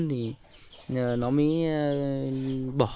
thì nó mới bỏ